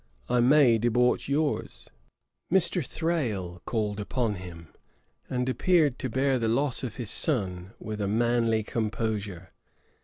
I may debauch yours."' Mr. Thrale called upon him, and appeared to bear the loss of his son with a manly composure.